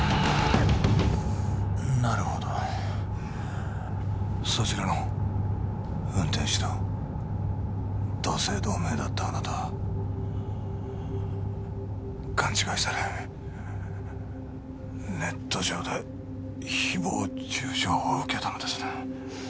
なるほどそちらの運転手と同姓同名だったあなたは勘違いされネット上で誹謗中傷を受けたのですね